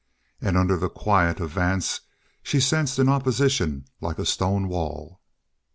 And under the quiet of Vance she sensed an opposition like a stone wall.